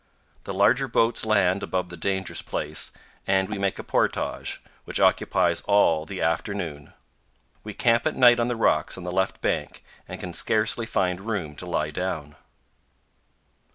The larger boats land above the dangerous place, and we make a portage, which occupies powell canyons 142.jpg A TUSAYAN MEALING TROUGH. all the afternoon. We camp at night on the rocks on the left bank, and can scarcely find room to lie down.